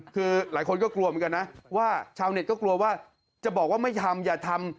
คือหลายคนก็กลัวเหมือนกันนะว่าชาวเน็ตก็กลัวว่าจะบอกว่าไม่ทำอย่าทำ